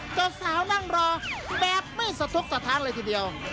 เจ้าสาวนั่งรอแบบไม่สะทกสถานเลยทีเดียว